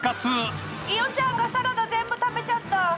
イヨちゃんがサラダ全部食べちゃった。